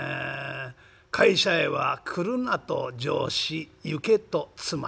「会社へは来るなと上司行けと妻」ねっ。